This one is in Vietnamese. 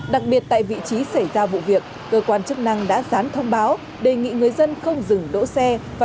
đặc biệt tại vị trí xảy ra vụ việc cơ quan chức năng đã gián thông báo đề nghị người dân không dừng đỗ xe